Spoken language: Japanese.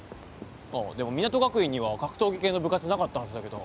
ああでも港学院には格闘技系の部活なかったはずだけど。